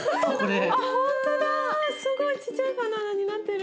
ほんとだすごいちっちゃいバナナになってる。